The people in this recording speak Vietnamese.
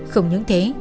không những thế